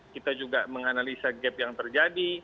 kita juga menganalisa gap yang terjadi